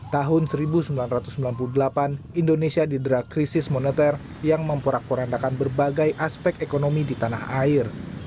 tahun seribu sembilan ratus sembilan puluh delapan indonesia didera krisis moneter yang memporak porandakan berbagai aspek ekonomi di tanah air